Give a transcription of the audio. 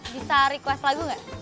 bisa request lagu enggak